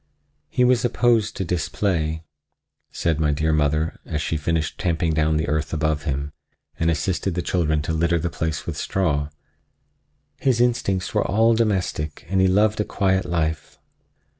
"He was opposed to display," said my dear mother, as she finished tamping down the earth above him and assisted the children to litter the place with straw; "his instincts were all domestic and he loved a quiet life."